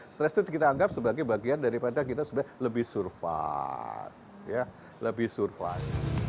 stres itu dianggap sebagai bagian daripada kita lebih surfan ya lebih surfan